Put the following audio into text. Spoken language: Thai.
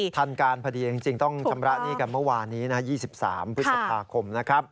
ทันการพอดีจริงต้องชำระหนี้กันเมื่อวานนี้๒๓พฤษภาคมนะครับ